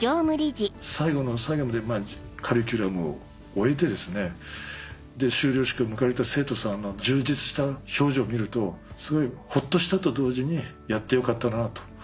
最後の最後までカリキュラムを終えてですね修了式を迎えた生徒さんの充実した表情を見るとすごいホッとしたと同時にやってよかったなと。